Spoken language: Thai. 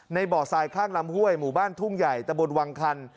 ในบ่อทรายข้างลำห้วยหมู่บ้านทุ่งใหญ่ตะบนวังคัน